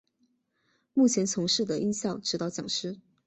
目前从事的音效指导讲师。